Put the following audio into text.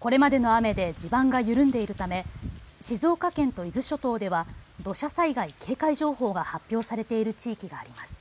これまでの雨で地盤が緩んでいるため静岡県と伊豆諸島では土砂災害警戒情報が発表されている地域があります。